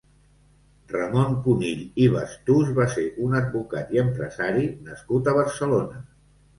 Ramon Cunill i Bastús va ser un advocat i empresari nascut a Barcelona.